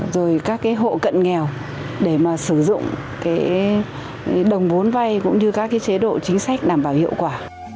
rồi các hộ cận nghèo để mà sử dụng đồng vốn vay cũng như các chế độ chính sách đảm bảo hiệu quả